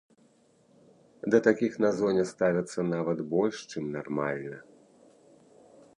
Да такіх на зоне ставяцца нават больш чым нармальна.